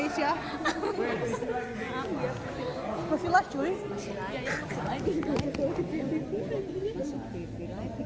jangan lupa like share dan subscribe